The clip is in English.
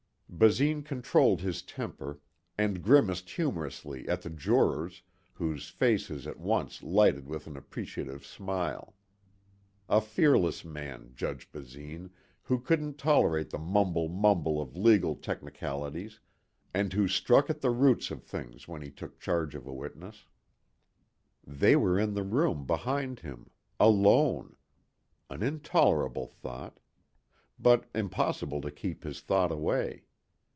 Basine controlled his temper and grimaced humorously at the jurors whose faces at once lighted with an appreciative smile. A fearless man, Judge Basine, who couldn't tolerate the mumble mumble of legal technicalities and who struck at the roots of things when he took charge of a witness. ... They were in the room behind him. Alone. An intolerable thought. But, impossible to keep his thought away.